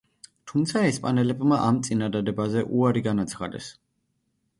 თუმცა ესპანელებმა ამ წინადადებაზე უარი განაცხადეს.